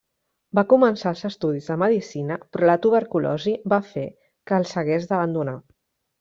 Va començar els estudis de Medicina però la tuberculosi va fer que els hagués d'abandonar.